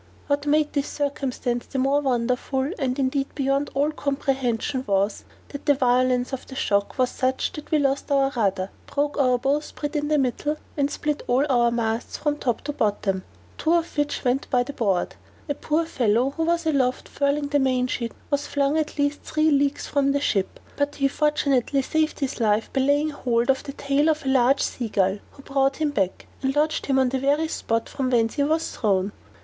What made this circumstance the more wonderful, and indeed beyond all comprehension, was, that the violence of the shock was such that we lost our rudder, broke our bowsprit in the middle, and split all our masts from top to bottom, two of which went by the board; a poor fellow, who was aloft furling the mainsheet, was flung at least three leagues from the ship; but he fortunately saved his life by laying hold of the tail of a large sea gull, who brought him back, and lodged him on the very spot from whence he was thrown.